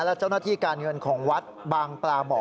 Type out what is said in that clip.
และเจ้าหน้าที่การเงินของวัดบางปลาบ่อ